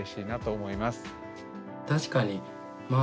確かにま